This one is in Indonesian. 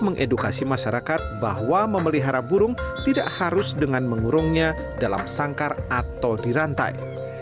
mengedukasi masyarakat bahwa memelihara burung tidak harus dengan mengurungnya dalam sangkar atau dirantai